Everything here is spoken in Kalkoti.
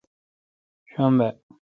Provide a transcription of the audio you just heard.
شنب